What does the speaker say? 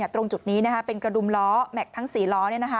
ตรงจุดนี้เป็นกระดุมล้อแม็กซ์ทั้ง๔ล้อ